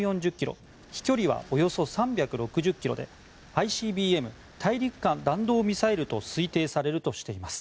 飛距離はおよそ３６０ｋｍでＩＣＢＭ・大陸間弾道ミサイルと推定されるとしています。